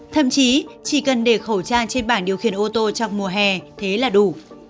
thậm chí chỉ cần để khẩu trang trên bảng điều khiển ô tô trong mùa hè thế là đủ